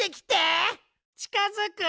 ちかづく？